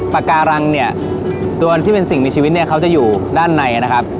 ปากการังเนี่ยตัวที่เป็นสิ่งมีชีวิตเนี่ยเขาจะอยู่ด้านในนะครับ